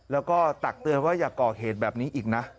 แล้วก็ตักเตือนว่าอย่าก่อเหตุแบบนี้อีกนะ